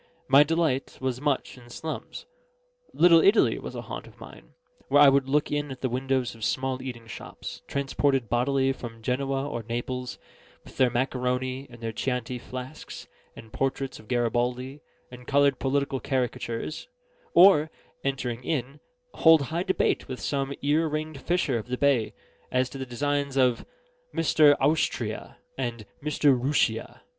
My delight was much in slums. Little Italy was a haunt of mine; there I would look in at the windows of small eating shops, transported bodily from Genoa or Naples, with their macaroni, and chianti flasks, and portraits of Garibaldi, and coloured political caricatures; or (entering in) hold high debate with some ear ringed fisher of the bay as to the designs of "Mr. Owstria" and "Mr. Rooshia."